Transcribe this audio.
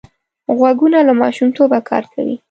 غوږونه له ماشومتوبه کار کوي